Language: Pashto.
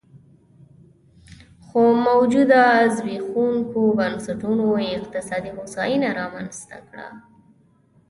خو موجوده زبېښونکو بنسټونو اقتصادي هوساینه رامنځته کړه